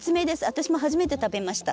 私も初めて食べました。